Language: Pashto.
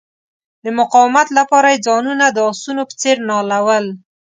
د مقاومت لپاره یې ځانونه د آسونو په څیر نالول.